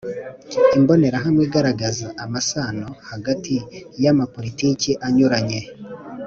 imbonerahamwe igaragaza amasano hagati y'amapolitiki anyuranye.